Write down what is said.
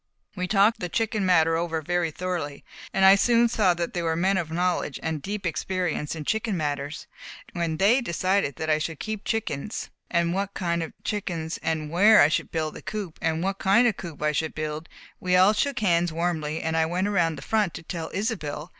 We talked the chicken matter over very thoroughly, and I soon saw that they were men of knowledge and deep experience in chicken matters, and when they had decided that I would keep chickens, and what kind of chickens, and where I should build the coop, and what kind of coop I should build, we all shook hands warmly, and I went around front to tell Isobel.